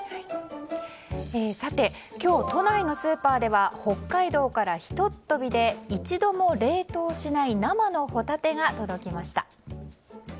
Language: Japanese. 今日、都内のスーパーでは北海道からひとっ飛びで一度も冷凍しない生のホタテが届きました。